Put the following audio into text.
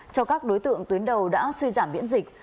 cho các đối tượng tuyến đầu đã suy giảm miễn dịch